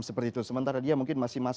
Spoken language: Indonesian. seperti itu sementara dia mungkin masih